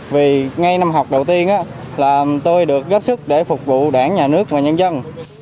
vì ngay năm học đầu tiên là tôi được góp sức để phục vụ đảng nhà nước và nhân dân